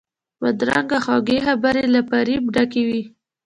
بدرنګه خوږې خبرې له فریب ډکې وي